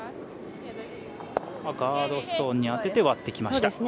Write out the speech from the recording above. ガードストーンに当てて割ってきました。